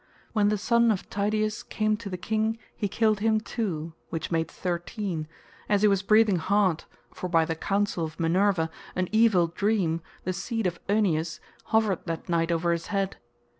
When the son of Tydeus came to the king, he killed him too (which made thirteen), as he was breathing hard, for by the counsel of Minerva an evil dream, the seed of Oeneus, hovered that night over his head.